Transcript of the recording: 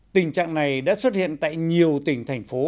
tình trạng này đã xuất hiện tại nhiều tỉnh thành phố